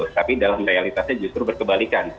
tapi dalam realitasnya justru berkebalikan